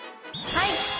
はい！